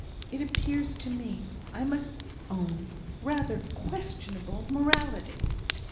It appears to me, I must own, rather questionable morality."